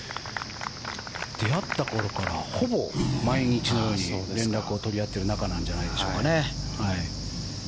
出会ったころからほぼ毎日のように連絡を取り合っている仲なんじゃないでしょうかね。